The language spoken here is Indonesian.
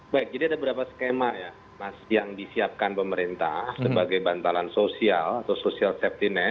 baik jadi ada beberapa skema ya mas yang disiapkan pemerintah sebagai bantalan sosial atau social safety net